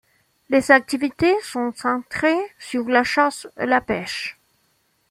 Les activités sont centrées sur la chasse et la pêche.